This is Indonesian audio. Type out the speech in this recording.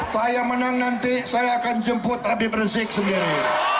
saya menang nanti saya akan jemput habib rizik sendiri